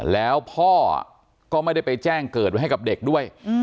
แล้วพ่อก็ไม่ได้ไปแจ้งเกิดไว้ให้กับเด็กด้วย